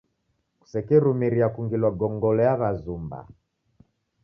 Kusekerumiria kungirwa gongolo ya w'azumba.